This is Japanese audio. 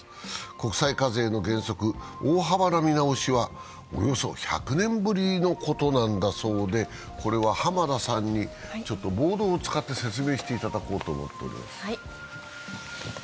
国際課税の原則、大幅な見直しはおよそ１００年ぶりのことなんだそうでこれは浜田さんにボードを使って説明していただこうと思います。